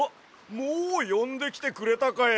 もうよんできてくれたかや！